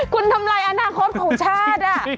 คุณทำอะไรอาหารครบของชาติ